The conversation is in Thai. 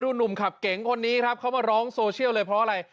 หนุ่มขับเก๋งคนนี้ครับเขามาร้องโซเชียลเลยเพราะอะไร